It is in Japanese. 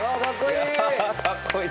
かっこいい！